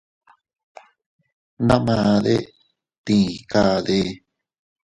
Ndamade ¿tii kade?